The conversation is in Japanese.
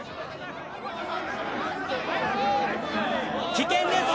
危険です！